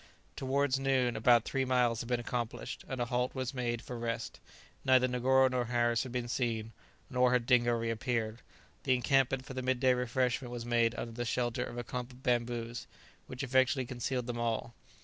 Towards noon about three miles had been accomplished, and a halt was made for rest. Neither Negoro nor Harris had been seen, nor had Dingo reappeared. The encampment for the midday refreshment was made under the shelter of a clump of bamboos, which effectually concealed them all.